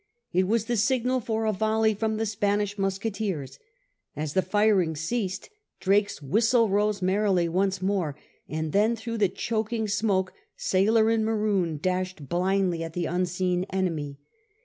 It was the signal for a volley from the Spanish musketeers. As the firing ceased Drake's whistle rose merrily once more, and then through the choking smoke sailor and Maroon dashed blindly at the unseen enemy.